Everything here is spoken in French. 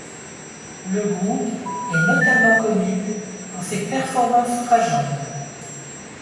Le groupe est notamment connu pour ses performances outrageantes.